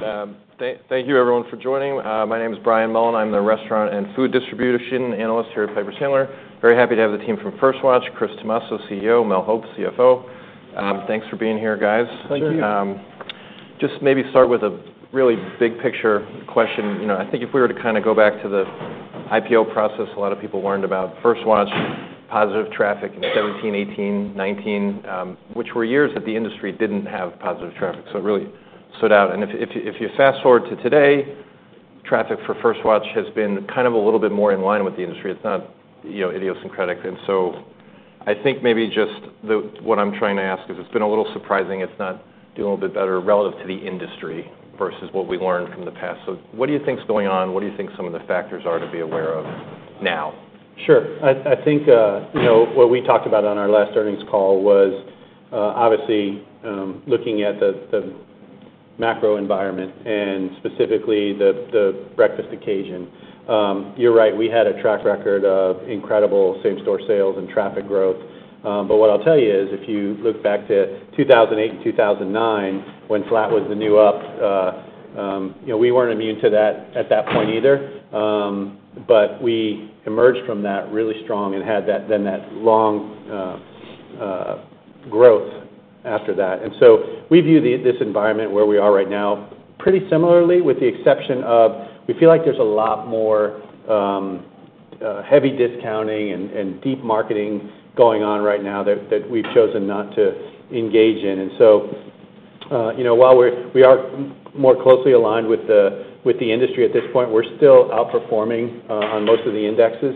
All right, thank you everyone for joining. My name is Brian Mullan. I'm the restaurant and food distribution analyst here at Piper Sandler. Very happy to have the team from First Watch, Chris Tomasso, CEO, Mel Hope, CFO. Thanks for being here, guys. Thank you. Sure. Just maybe start with a really big picture question. You know, I think if we were to kind of go back to the IPO process, a lot of people learned about First Watch, positive traffic in 2017, 2018, 2019, which were years that the industry didn't have positive traffic, so it really stood out. And if you fast-forward to today, traffic for First Watch has been kind of a little bit more in line with the industry. It's not, you know, idiosyncratic. And so I think maybe just the... What I'm trying to ask is, it's been a little surprising it's not doing a bit better relative to the industry versus what we learned from the past. So what do you think is going on? What do you think some of the factors are to be aware of now? Sure. I think, you know, what we talked about on our last earnings call was, obviously, looking at the macro environment and specifically the breakfast occasion. You're right, we had a track record of incredible same-store sales and traffic growth. But what I'll tell you is, if you look back to 2008 and 2009, when flat was the new up, you know, we weren't immune to that at that point either. But we emerged from that really strong and had then that long growth after that. And so we view this environment where we are right now pretty similarly, with the exception of, we feel like there's a lot more heavy discounting and deep marketing going on right now that we've chosen not to engage in. And so, you know, while we are more closely aligned with the industry at this point, we're still outperforming on most of the indexes.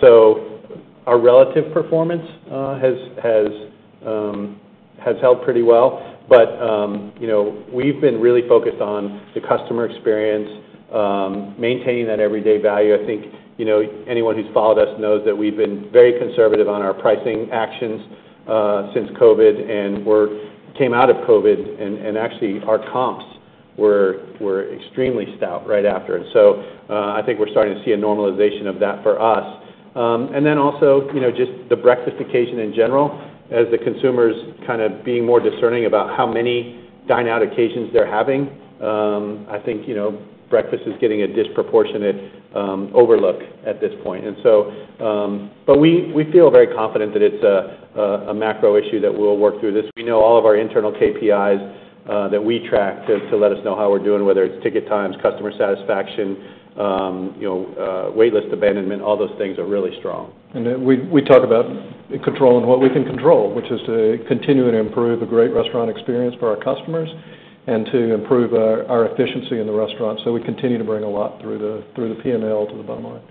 So our relative performance has held pretty well. But, you know, we've been really focused on the customer experience, maintaining that everyday value. I think, you know, anyone who's followed us knows that we've been very conservative on our pricing actions since COVID, and we came out of COVID, and actually, our comps were extremely stout right after. And so, I think we're starting to see a normalization of that for us. And then also, you know, just the breakfast occasion in general, as the consumer's kind of being more discerning about how many dine-out occasions they're having, I think, you know, breakfast is getting a disproportionate overlook at this point. And so. But we feel very confident that it's a macro issue that we'll work through this. We know all of our internal KPIs that we track to let us know how we're doing, whether it's ticket times, customer satisfaction, you know, waitlist abandonment, all those things are really strong. We talk about controlling what we can control, which is to continue to improve a great restaurant experience for our customers and to improve our efficiency in the restaurant. We continue to bring a lot through the P&L to the bottom line.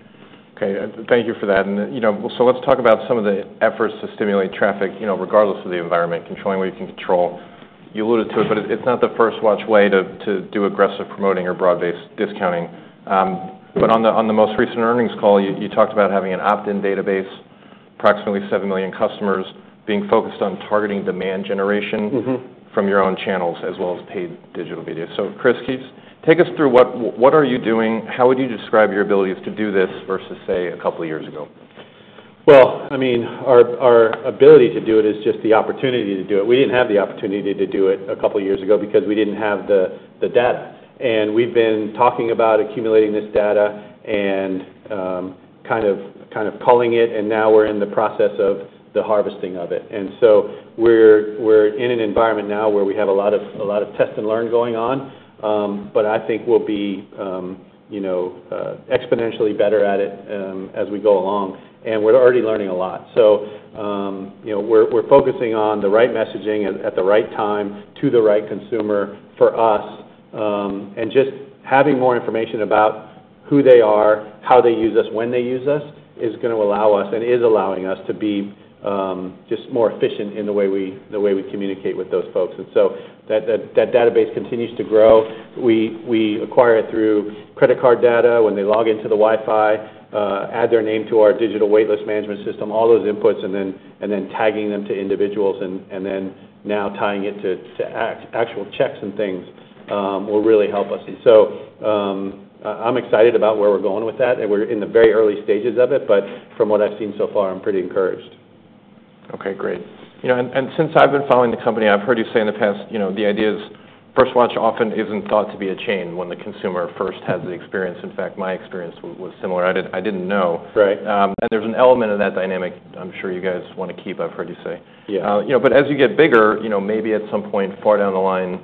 Okay, thank you for that. You know, so let's talk about some of the efforts to stimulate traffic, you know, regardless of the environment, controlling what you can control. You alluded to it, but it's not the First Watch way to do aggressive promoting or broad-based discounting. But on the most recent earnings call, you talked about having an opt-in database, approximately seven million customers, being focused on targeting demand generation- Mm-hmm... from your own channels as well as paid digital media. So Chris, please take us through what, what are you doing? How would you describe your abilities to do this versus, say, a couple of years ago? I mean, our ability to do it is just the opportunity to do it. We didn't have the opportunity to do it a couple of years ago because we didn't have the data, and we've been talking about accumulating this data and kind of culling it, and now we're in the process of the harvesting of it, and so we're in an environment now where we have a lot of test and learn going on, but I think we'll be, you know, exponentially better at it as we go along, and we're already learning a lot, so, you know, we're focusing on the right messaging at the right time to the right consumer for us. And just having more information about who they are, how they use us, when they use us, is gonna allow us, and is allowing us to be just more efficient in the way we communicate with those folks. And so that database continues to grow. We acquire it through credit card data, when they log into the Wi-Fi, add their name to our digital wait list management system, all those inputs, and then tagging them to individuals, and then now tying it to actual checks and things, will really help us. And so, I'm excited about where we're going with that, and we're in the very early stages of it, but from what I've seen so far, I'm pretty encouraged. Okay, great. You know, and since I've been following the company, I've heard you say in the past, you know, the idea is First Watch often isn't thought to be a chain when the consumer first has the experience. In fact, my experience was similar. I didn't know. Right. And there's an element of that dynamic I'm sure you guys want to keep. I've heard you say. Yeah. you know, but as you get bigger, you know, maybe at some point far down the line,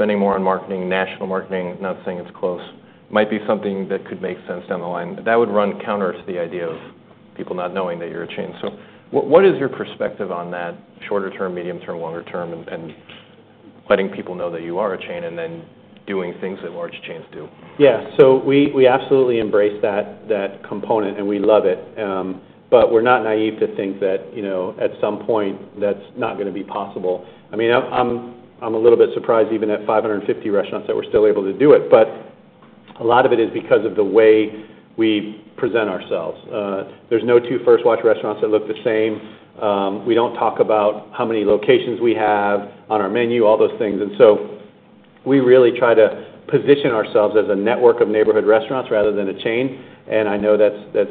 spending more on marketing, national marketing, not saying it's close, might be something that could make sense down the line. That would run counter to the idea of people not knowing that you're a chain. So what is your perspective on that shorter term, medium term, longer term, and letting people know that you are a chain and then doing things that large chains do? Yeah. So we, we absolutely embrace that, that component, and we love it. But we're not naive to think that, you know, at some point, that's not gonna be possible. I mean, I'm a little bit surprised, even at five hundred and fifty restaurants, that we're still able to do it. But a lot of it is because of the way we present ourselves. There's no two First Watch restaurants that look the same. We don't talk about how many locations we have on our menu, all those things. And so, we really try to position ourselves as a network of neighborhood restaurants rather than a chain. And I know that's, that's,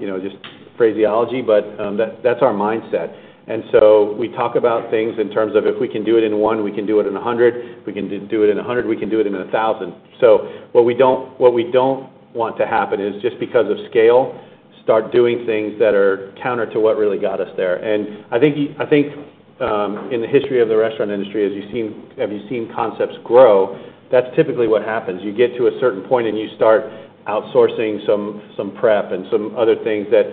you know, just phraseology, but, that- that's our mindset. And so we talk about things in terms of, if we can do it in one, we can do it in 100. If we can do it in 100, we can do it in 1,000. So what we don't want to happen is, just because of scale, start doing things that are counter to what really got us there. And I think, in the history of the restaurant industry, as you've seen concepts grow, that's typically what happens. You get to a certain point, and you start outsourcing some prep and some other things that,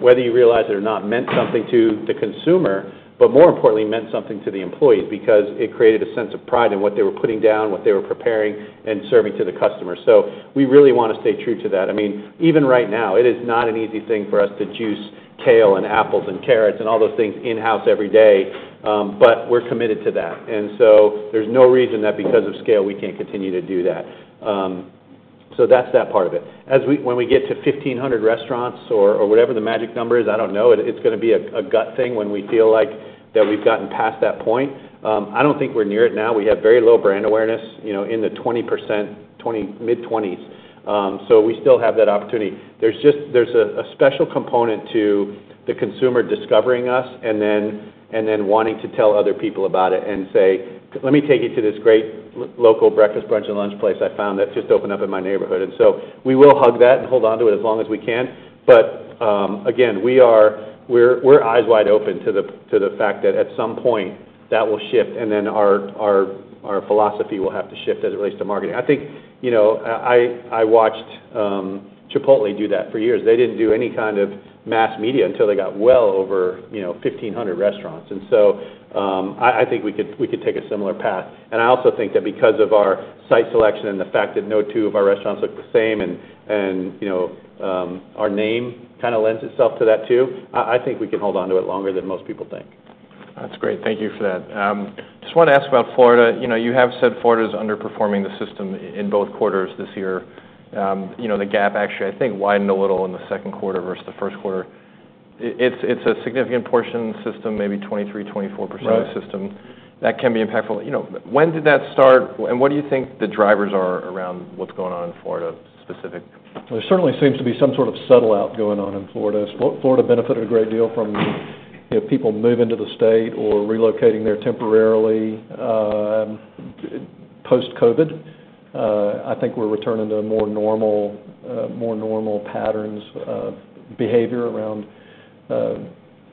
whether you realize it or not, meant something to the consumer, but more importantly, meant something to the employees because it created a sense of pride in what they were putting down, what they were preparing and serving to the customer. So we really want to stay true to that. I mean, even right now, it is not an easy thing for us to juice kale and apples and carrots and all those things in-house every day, but we're committed to that. And so there's no reason that because of scale, we can't continue to do that. So that's that part of it. When we get to 1,500 restaurants or whatever the magic number is, I don't know, it's gonna be a gut thing when we feel like that we've gotten past that point. I don't think we're near it now. We have very low brand awareness, you know, in the 20%, mid-20s. So we still have that opportunity. There's just a special component to the consumer discovering us and then wanting to tell other people about it and say, "Let me take you to this great local breakfast, brunch, and lunch place I found that just opened up in my neighborhood." And so we will hug that and hold onto it as long as we can. But again, we're eyes wide open to the fact that at some point, that will shift, and then our philosophy will have to shift as it relates to marketing. I think, you know, I watched Chipotle do that for years. They didn't do any kind of mass media until they got well over, you know, 1,500 restaurants. And so I think we could take a similar path. I also think that because of our site selection and the fact that no two of our restaurants look the same, you know, our name kind of lends itself to that, too. I think we can hold onto it longer than most people think. That's great. Thank you for that. Just want to ask about Florida. You know, you have said Florida is underperforming the system in both quarters this year. You know, the gap actually, I think, widened a little in the second quarter versus the first quarter. It's a significant portion of the system, maybe 23%-24%- Right... of the system. That can be impactful. You know, when did that start, and what do you think the drivers are around what's going on in Florida, specifically? There certainly seems to be some sort of settling out going on in Florida. Florida benefited a great deal from, you know, people moving to the state or relocating there temporarily, post-COVID. I think we're returning to a more normal patterns of behavior around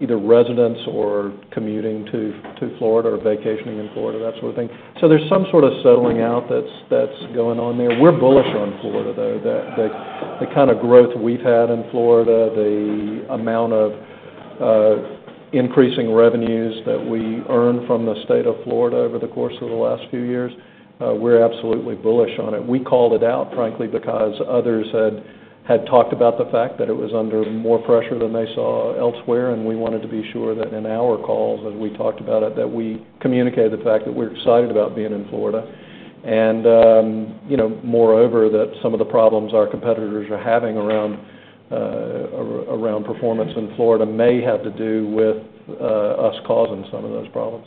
either residents or commuting to Florida or vacationing in Florida, that sort of thing, so there's some sort of settling out that's going on there. We're bullish on Florida, though. The kind of growth we've had in Florida, the amount of increasing revenues that we earned from the state of Florida over the course of the last few years, we're absolutely bullish on it. We called it out, frankly, because others had talked about the fact that it was under more pressure than they saw elsewhere, and we wanted to be sure that in our calls, as we talked about it, that we communicated the fact that we're excited about being in Florida, and you know, moreover, that some of the problems our competitors are having around performance in Florida may have to do with us causing some of those problems.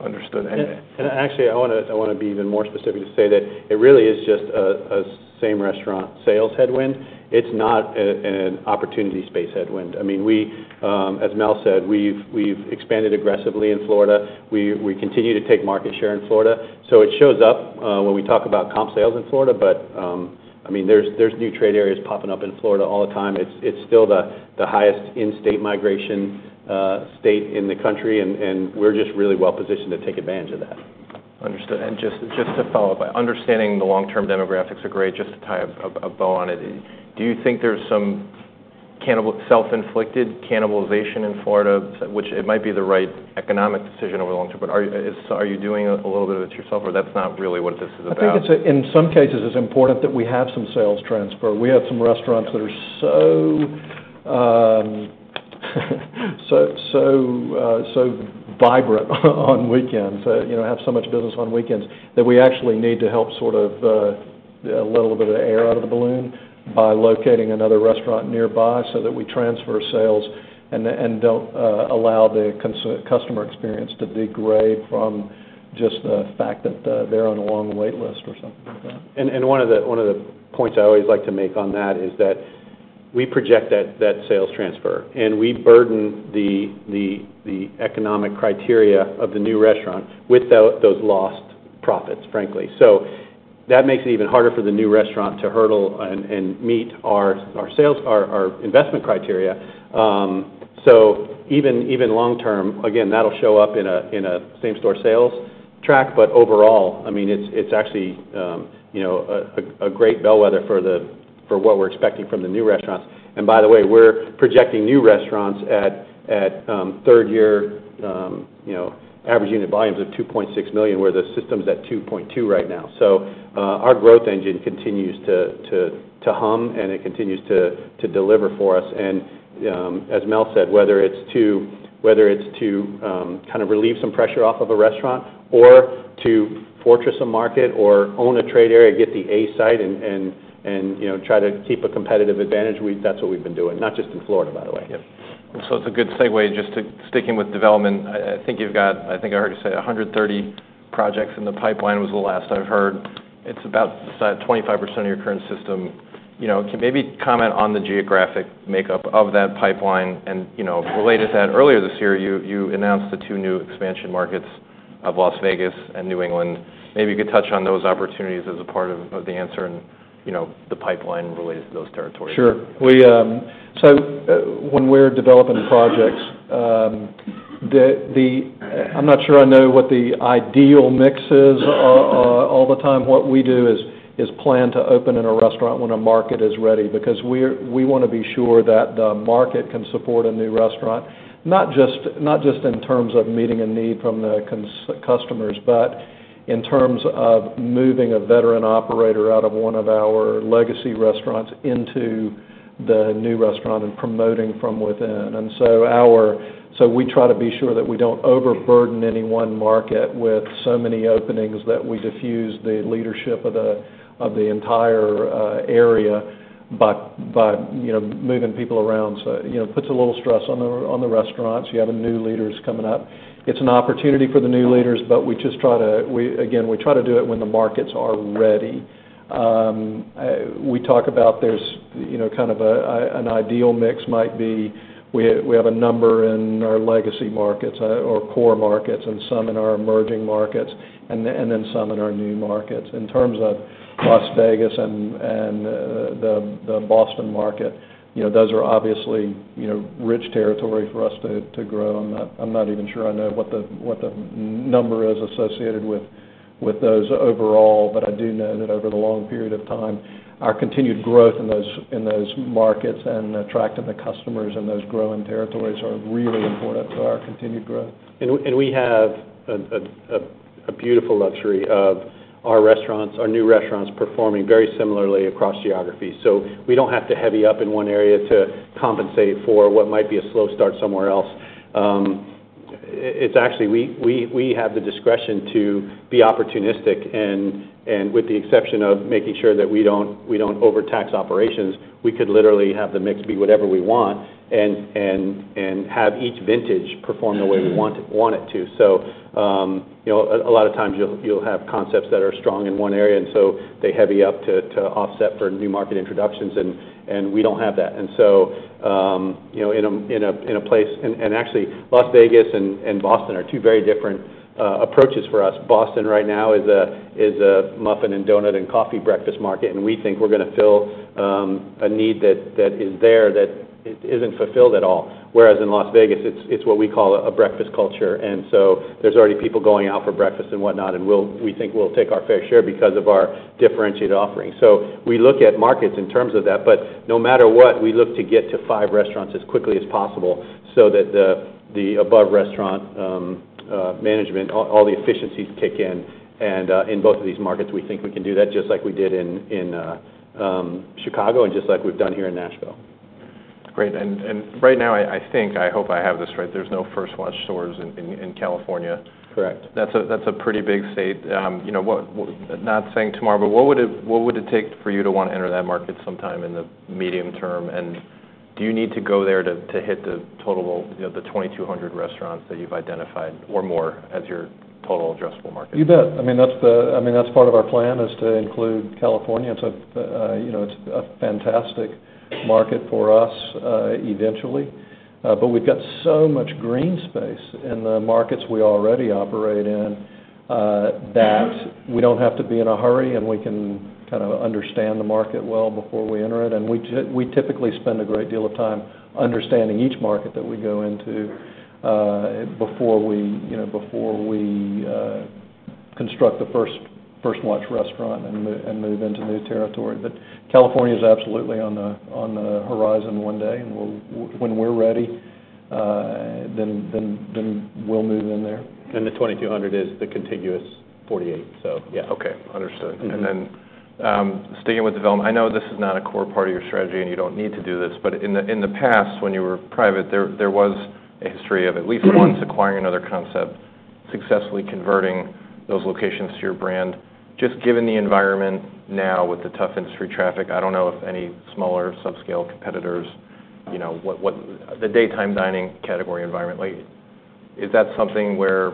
Understood, and Actually, I wanna be even more specific to say that it really is just a same-restaurant sales headwind. It's not an opportunity space headwind. I mean, as Mel said, we've expanded aggressively in Florida. We continue to take market share in Florida. So it shows up when we talk about comp sales in Florida. But I mean, there's new trade areas popping up in Florida all the time. It's still the highest in-state migration state in the country, and we're just really well positioned to take advantage of that. Understood. And just to follow up, understanding the long-term demographics are great, just to tie a bow on it, do you think there's some self-inflicted cannibalization in Florida? Which it might be the right economic decision over the long term, but are you doing a little bit of it yourself, or that's not really what this is about? I think it's in some cases, it's important that we have some sales transfer. We have some restaurants that are so vibrant on weekends, you know, have so much business on weekends, that we actually need to help sort of let a little bit of the air out of the balloon by locating another restaurant nearby so that we transfer sales and don't allow the customer experience to degrade from just the fact that they're on a long wait list or something like that. One of the points I always like to make on that is that we project that sales transfer, and we burden the economic criteria of the new restaurant with those lost profits, frankly. That makes it even harder for the new restaurant to hurdle and meet our sales, our investment criteria. Even long term, again, that'll show up in a same-store sales track. Overall, I mean, it's actually, you know, a great bellwether for what we're expecting from the new restaurants. By the way, we're projecting new restaurants at third year, you know, average unit volumes of $2.6 million, where the system's at $2.2 million right now. So, our growth engine continues to hum, and it continues to deliver for us. And, as Mel said, whether it's to kind of relieve some pressure off of a restaurant or to fortress a market or own a trade area, get the A-plus site and, you know, try to keep a competitive advantage, that's what we've been doing, not just in Florida, by the way.... So it's a good segue just to sticking with development. I think you've got, I think I heard you say, one hundred and thirty projects in the pipeline, was the last I've heard. It's about 25% of your current system. You know, can maybe comment on the geographic makeup of that pipeline, and, you know, related to that, earlier this year, you announced the two new expansion markets of Las Vegas and New England. Maybe you could touch on those opportunities as a part of the answer and, you know, the pipeline related to those territories. Sure. So when we're developing projects, I'm not sure I know what the ideal mix is all the time. What we do is plan to open in a restaurant when a market is ready, because we want to be sure that the market can support a new restaurant, not just in terms of meeting a need from the customers, but in terms of moving a veteran operator out of one of our legacy restaurants into the new restaurant and promoting from within. And so we try to be sure that we don't overburden any one market with so many openings that we diffuse the leadership of the entire area by you know moving people around. So you know it puts a little stress on the restaurants. You have the new leaders coming up. It's an opportunity for the new leaders, but we just try to, again, we try to do it when the markets are ready. We talk about there's, you know, kind of an ideal mix might be. We have a number in our legacy markets or core markets and some in our emerging markets, and then some in our new markets. In terms of Las Vegas and the Boston market, you know, those are obviously, you know, rich territory for us to grow. I'm not even sure I know what the number is associated with those overall, but I do know that over the long period of time, our continued growth in those markets and attracting the customers in those growing territories are really important to our continued growth. And we have a beautiful luxury of our restaurants, our new restaurants performing very similarly across geographies. So we don't have to heavy up in one area to compensate for what might be a slow start somewhere else. It's actually we have the discretion to be opportunistic, and with the exception of making sure that we don't overtax operations, we could literally have the mix be whatever we want and have each vintage perform the way we want it to. So you know, a lot of times, you'll have concepts that are strong in one area, and so they heavy up to offset for new market introductions, and we don't have that. And so, you know, in a place and actually, Las Vegas and Boston are two very different approaches for us. Boston right now is a muffin and donut and coffee breakfast market, and we think we're going to fill a need that is there, that isn't fulfilled at all. Whereas in Las Vegas, it's what we call a breakfast culture, and so there's already people going out for breakfast and whatnot, and we think we'll take our fair share because of our differentiated offerings. So we look at markets in terms of that, but no matter what, we look to get to five restaurants as quickly as possible so that the above restaurant management, all the efficiencies kick in. In both of these markets, we think we can do that, just like we did in Chicago and just like we've done here in Nashville. Great. And right now, I think, I hope I have this right, there's no First Watch stores in California. Correct. That's a pretty big state. You know, what, not saying tomorrow, but what would it take for you to want to enter that market sometime in the medium term? And do you need to go there to hit the total, you know, the two thousand two hundred restaurants that you've identified or more as your total addressable market? You bet. I mean, that's part of our plan, is to include California. It's a, you know, it's a fantastic market for us, eventually. But we've got so much green space in the markets we already operate in, that we don't have to be in a hurry, and we can kind of understand the market well before we enter it. We typically spend a great deal of time understanding each market that we go into, before we, you know, before we construct the first First Watch restaurant and move into new territory. California is absolutely on the horizon one day, and we'll, when we're ready, then we'll move in there. The 2,200 is the contiguous 48, so yeah. Okay, understood. Mm-hmm. And then, staying with development, I know this is not a core part of your strategy, and you don't need to do this, but in the past, when you were private, there was a history of at least once acquiring another concept, successfully converting those locations to your brand. Just given the environment now with the tough industry traffic, I don't know if any smaller subscale competitors, you know, The daytime dining category environment, like, is that something where,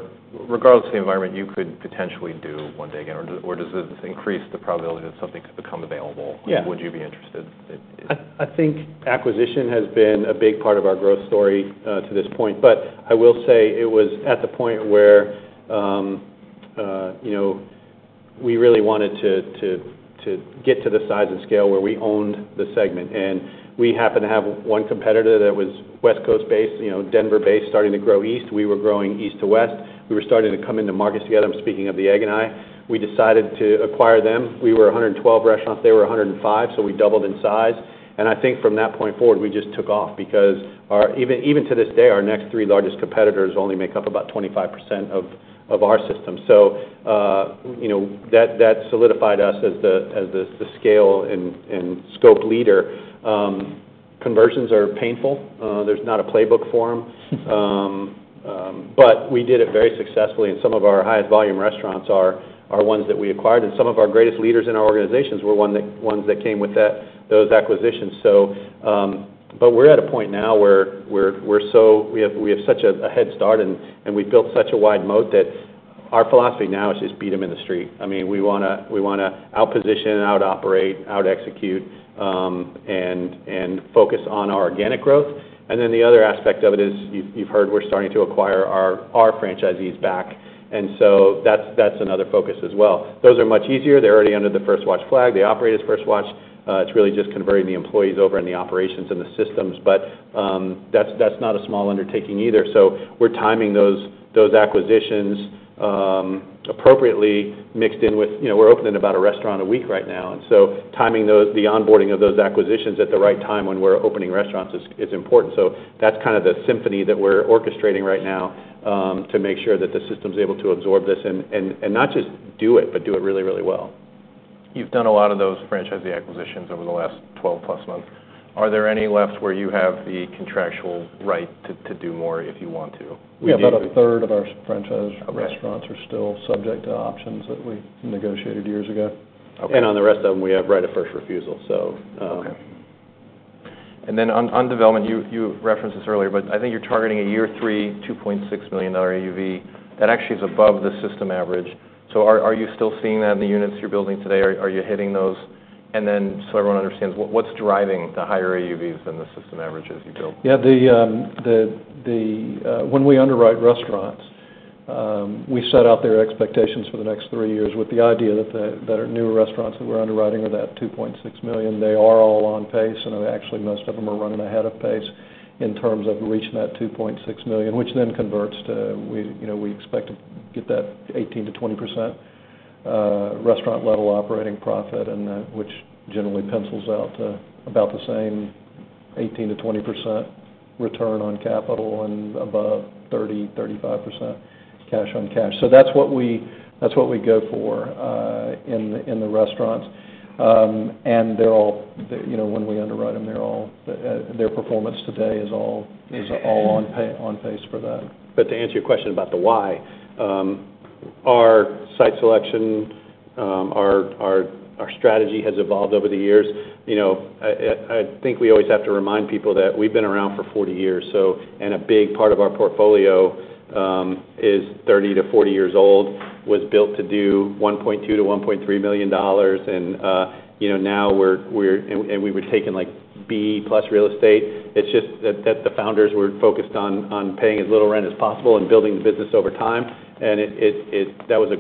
regardless of the environment, you could potentially do one day again, or does this increase the probability that something could become available? Yeah. Would you be interested in? I think acquisition has been a big part of our growth story to this point. But I will say it was at the point where you know, we really wanted to get to the size and scale where we owned the segment. And we happened to have one competitor that was West Coast-based, you know, Denver-based, starting to grow east. We were growing east to west. We were starting to come into markets together. I'm speaking of The Egg & I. We decided to acquire them. We were 112 restaurants. They were 105, so we doubled in size. And I think from that point forward, we just took off because, even to this day, our next three largest competitors only make up about 25% of our system. You know, that solidified us as the scale and scope leader. Conversions are painful. There's not a playbook for them. But we did it very successfully, and some of our highest volume restaurants are ones that we acquired, and some of our greatest leaders in our organizations were ones that came with those acquisitions. But we're at a point now where we have such a head start, and we've built such a wide moat that our philosophy now is just beat them in the street. I mean, we wanna out-position, out-operate, out-execute, and focus on our organic growth. And then the other aspect of it is, you've heard we're starting to acquire our franchisees back, and so that's another focus as well. Those are much easier. They're already under the First Watch flag. They operate as First Watch. It's really just converting the employees over and the operations and the systems, but that's not a small undertaking either. So we're timing those acquisitions appropriately, mixed in with you know, we're opening about a restaurant a week right now, and so timing the onboarding of those acquisitions at the right time when we're opening restaurants is important. So that's kind of the symphony that we're orchestrating right now to make sure that the system's able to absorb this, and not just do it, but do it really, really well. You've done a lot of those franchisee acquisitions over the last twelve plus months. Are there any left where you have the contractual right to do more if you want to? We have about a third of our franchise- Okay. Restaurants are still subject to options that we negotiated years ago. Okay. And on the rest of them, we have right of first refusal, so, Okay. And then on development, you referenced this earlier, but I think you're targeting a year three $2.6 million AUV. That actually is above the system average. So are you still seeing that in the units you're building today? Are you hitting those? And then, so everyone understands, what's driving the higher AUVs than the system average as you build? Yeah, when we underwrite restaurants, we set out their expectations for the next three years with the idea that their new restaurants that we're underwriting are that $2.6 million. They are all on pace, and actually, most of them are running ahead of pace in terms of reaching that $2.6 million, which then converts to, you know, we expect to get that 18%-20% restaurant-level operating profit, and which generally pencils out to about the same 18%-20% return on capital and above 30-35% cash on cash. So that's what we go for in the restaurants. And they're all... You know, when we underwrite them, they're all, their performance today is all on pace for that. But to answer your question about the why, our site selection, our strategy has evolved over the years. You know, I think we always have to remind people that we've been around for forty years, and a big part of our portfolio is thirty to forty years old, was built to do $1.2-$1.3 million, and you know, now we're and we were taking, like, B-plus real estate. It's just that the founders were focused on paying as little rent as possible and building the business over time. That was a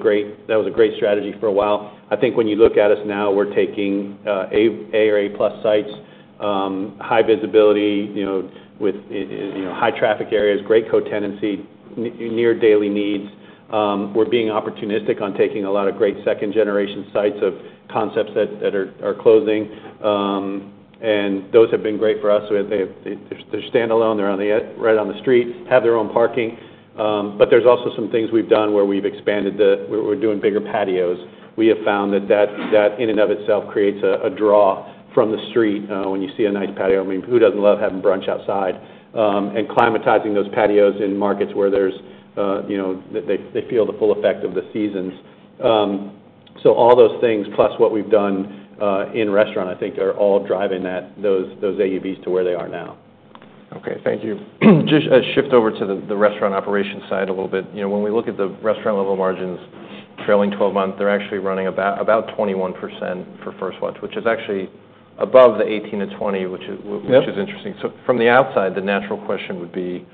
great strategy for a while. I think when you look at us now, we're taking A or A-plus sites, high visibility, you know, with you know, high traffic areas, great co-tenancy, near daily needs. We're being opportunistic on taking a lot of great second-generation sites of concepts that are closing, and those have been great for us. They're standalone. They're on the edge right on the street, have their own parking, but there's also some things we've done where we've expanded. We're doing bigger patios. We have found that in and of itself creates a draw from the street. When you see a nice patio, I mean, who doesn't love having brunch outside, and climatizing those patios in markets where there's you know, they feel the full effect of the seasons. So all those things, plus what we've done in restaurant, I think are all driving those AUVs to where they are now. Okay, thank you. Just a shift over to the restaurant operation side a little bit. You know, when we look at the restaurant level margins, trailing twelve months, they're actually running about 21% for First Watch, which is actually above the 18%-20%, which is- Yep... which is interesting. So from the outside, the natural question would be,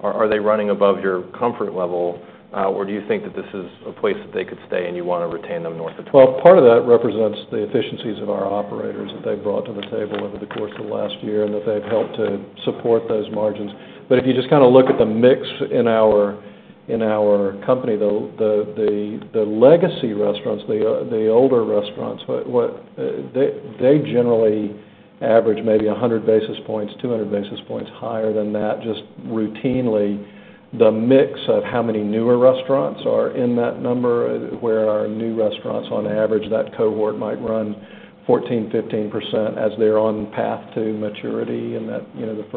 are they running above your comfort level, or do you think that this is a place that they could stay, and you want to retain them north of twenty? Part of that represents the efficiencies of our operators, that they brought to the table over the course of the last year, and that they've helped to support those margins. But if you just kind of look at the mix in our company, the legacy restaurants, the older restaurants, they generally average maybe 100 basis points, 200 basis points higher than that, just routinely. The mix of how many newer restaurants are in that number, where our new restaurants, on average, that cohort might run 14, 15% as they're on path to maturity. And that, you know, the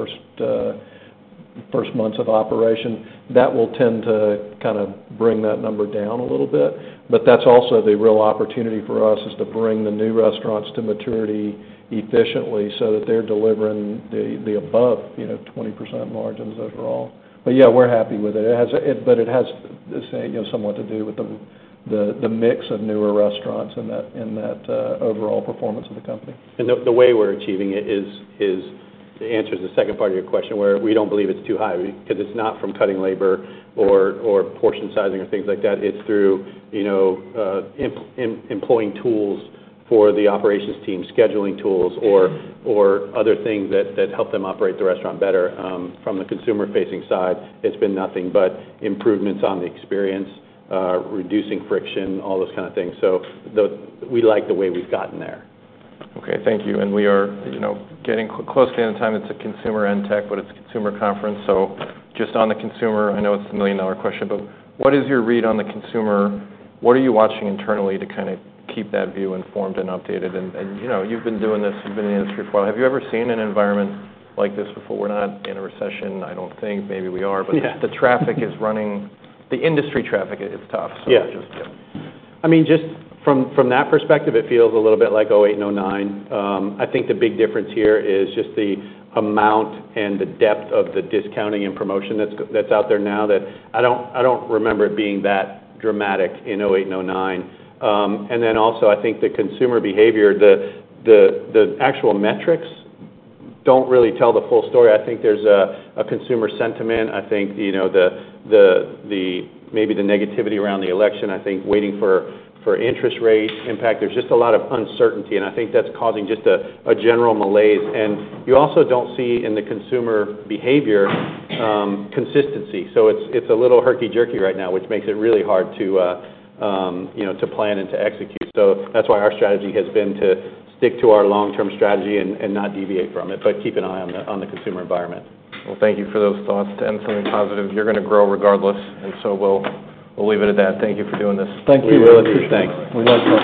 first months of operation, that will tend to kind of bring that number down a little bit. But that's also the real opportunity for us, is to bring the new restaurants to maturity efficiently so that they're delivering the above, you know, 20% margins overall. But yeah, we're happy with it. It has but it has, let's say, you know, somewhat to do with the mix of newer restaurants and that overall performance of the company. And the way we're achieving it is to answer the second part of your question, where we don't believe it's too high, because it's not from cutting labor or portion sizing or things like that. It's through employing tools for the operations team, scheduling tools or other things that help them operate the restaurant better. From the consumer-facing side, it's been nothing but improvements on the experience, reducing friction, all those kind of things. So we like the way we've gotten there. Okay, thank you. And we are, you know, getting close to out of time. It's a consumer and tech conference, but it's a consumer conference, so just on the consumer, I know it's a million-dollar question, but what is your read on the consumer? What are you watching internally to kind of keep that view informed and updated? And, you know, you've been doing this, you've been in the industry for a while. Have you ever seen an environment like this before? We're not in a recession, I don't think. Maybe we are. Yeah... but the traffic is running, the industry traffic is tough. Yeah. So, just, yeah. I mean, just from that perspective, it feels a little bit like 2008 and 2009. I think the big difference here is just the amount and the depth of the discounting and promotion that's out there now, that I don't remember it being that dramatic in 2008 and 2009. And then also, I think the consumer behavior, the actual metrics don't really tell the full story. I think there's a consumer sentiment. I think, you know, maybe the negativity around the election, I think waiting for interest rate impact, there's just a lot of uncertainty, and I think that's causing just a general malaise, and you also don't see, in the consumer behavior, consistency. So it's a little herky-jerky right now, which makes it really hard to, you know, to plan and to execute. So that's why our strategy has been to stick to our long-term strategy and not deviate from it, but keep an eye on the consumer environment. Thank you for those thoughts, and something positive: You're gonna grow regardless, and so we'll leave it at that. Thank you for doing this. Thank you. We really appreciate it. We love you.